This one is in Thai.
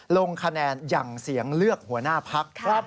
ลงคะแนนอย่างเสียงเลือกหัวหน้าพัก